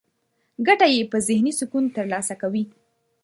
ګټه يې په ذهني سکون ترلاسه کوي.